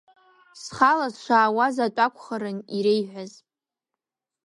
Схала сшаауаз атәы акәхарын иреиҳәаз.